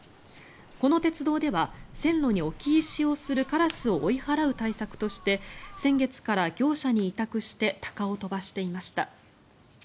この鉄道では線路に置き石をするカラスを追い払う対策として先月から業者に委託してタカを飛ばしていました。